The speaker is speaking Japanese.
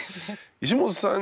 石本さん